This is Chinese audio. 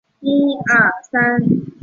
只有我一个没有办法